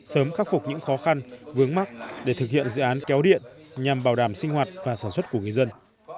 sớm khắc phục những khó khăn vướng mắt để thực hiện dự án kéo điện nhằm bảo đảm sinh hoạt và sản xuất của người dân